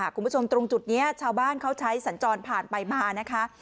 คุณผู้ชมตรงจุดนี้ชาวบ้านเขาใช้สัญจรผ่านไปมานะคะ